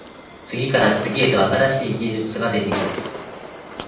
次から次へと新しい技術が出てくる